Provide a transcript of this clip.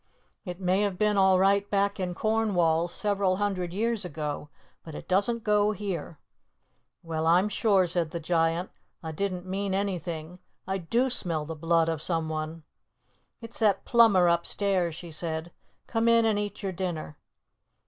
It may have been all right back in Cornwall several hundred years ago, but it doesn't go here." "Well, I'm sure," said the Giant, "I didn't mean anything. I do smell the blood of some one." "It's that plumber upstairs," she said. "Come in and eat your dinner."